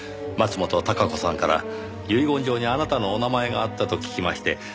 松本貴子さんから遺言状にあなたのお名前があったと聞きまして。